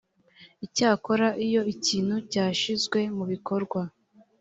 icyakora iyo ikintu cyashyizwe mu bikorwa